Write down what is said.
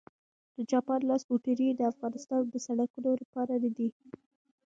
د جاپان لاس موټرې د افغانستان د سړکونو لپاره نه دي